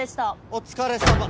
お疲れさま。